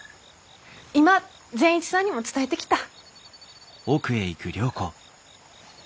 今善一さんにも伝えてきた。